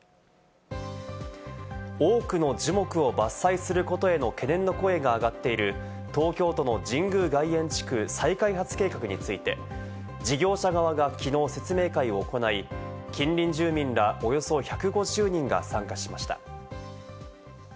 多くの樹木を伐採することへの懸念の声が上がっている東京都の神宮外苑地区再開発計画について事業者側がきのう説明会を行い、近隣住民らおよそ１５０人が参加しました。